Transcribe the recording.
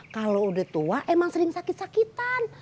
kalau udah tua emang sering sakit sakitan